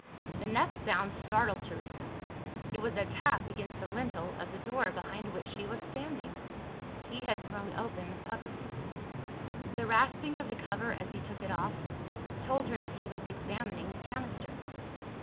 The next sound startled Teresa; it was a tap against the lintel of the door behind which she was standing. He had thrown open the cupboard. The rasping of the cover, as he took it off, told her that he was examining the canister.